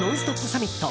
サミット。